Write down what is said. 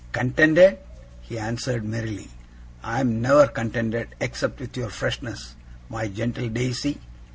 'Contented?' he answered, merrily. 'I am never contented, except with your freshness, my gentle Daisy.